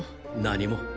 何も。